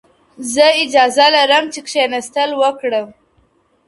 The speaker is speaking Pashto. زه اجازه لرم چي کښېناستل وکړم.